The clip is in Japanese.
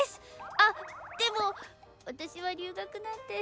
あっでも私は留学なんて。